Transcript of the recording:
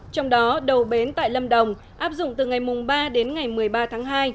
trong đó đầu bến tại lâm đồng áp dụng từ ngày ba đến ngày một mươi ba tháng hai